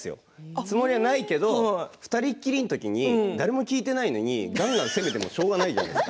つもりはないって２人きりの時に誰も聞いていないのにがんがん責めてもしょうがないじゃないですか。